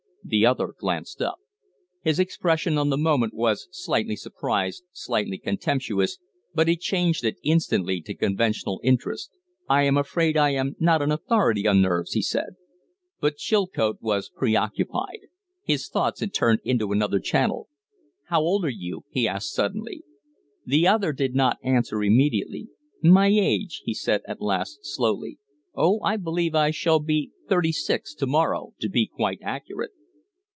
The other glanced up. His expression on the moment was slightly surprised, slightly contemptuous, but he changed it instantly to conventional interest. "I am afraid I am not an authority on nerves," he said. But Chilcote was preoccupied. His thoughts had turned into another channel. "How old are you?" he asked, suddenly. The other did not answer immediately. "My age?" he said at last, slowly. "Oh, I believe I shall be thirty six to morrow to be quite accurate."